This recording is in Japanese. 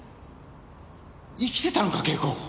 生きてたのか慶子。